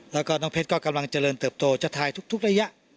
แล้วก็น้องเพชรก็กำลังเจริญเติบโตจะถ่ายทุกระยะ